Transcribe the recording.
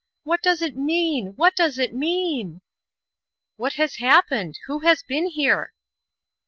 What does it mean? What does it mean?" "What has happened? Who has been here?"